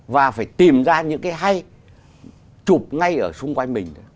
và phải tìm ra những cái hay chụp ngay ở xung quanh mình